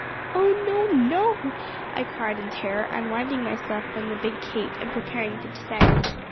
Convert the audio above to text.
"'Oh, no no,' I cried in terror, unwinding myself from the big cape and preparing to descend.